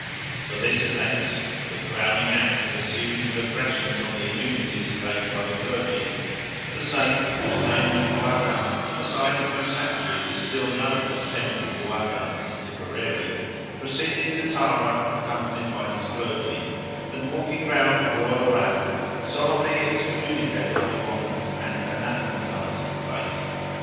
For this offence—the crowning act of a series of aggressions on the immunities claimed by the clergy—the Saint, whose name was Ruadan, and the site of whose sanctuary is still known as Temple Ruadan in Tipperary, proceeded to Tara, accompanied by his clergy, and, walking round the royal rath, solemnly excommunicated the monarch, and anathematized the place.